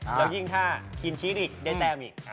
แล้วยิ่งถ้าคินชีสอีกได้แต้มอีก